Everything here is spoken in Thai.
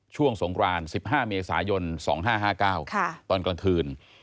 ช่วงสงคราน๑๕เมษายน๒๕๕๙ตอนกลางคืน